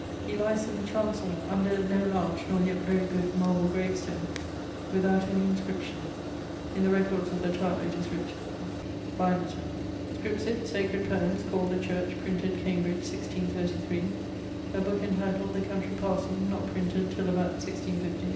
He lyes in the chancell, under no large, nor yet very good, marble grave stone, without any inscription. [LXXXII.] In the records of the Tower it is writt Bymerton. Scripsit: Sacred Poems, called The Church, printed, Cambridge, 1633; a booke entituled The Country Parson, not printed till about 1650, 8vo.